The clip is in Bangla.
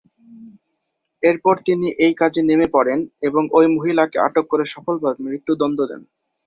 এরপর তিনি এই কাজে নেমে পড়েন এবং ঐ মহিলাকে আটক করে সফলভাবে মৃত্যুদন্ড দেন।